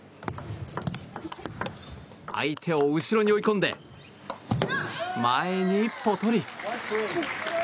相手を後ろに追い込んで前にポトリ。